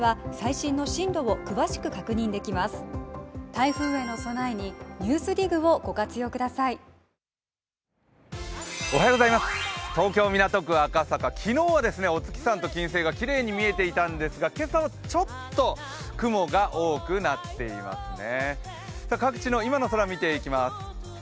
それぞれの悩みにサントリー健康専門茶東京・港区赤坂、昨日はお月さんと金星がきれいに見えていたんですが、今朝はちょっと雲が多くなっていますね。